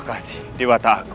terima kasih diwata aku